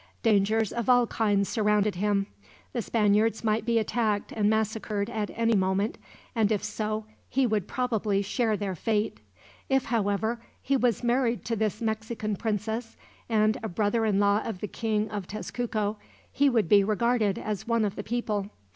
Dangers of all kinds surrounded him. The Spaniards might be attacked and massacred at any moment, and if so, he would probably share their fate. If, however, he was married to this Mexican princess, and a brother in law of the King of Tezcuco, he would be regarded as one of the people.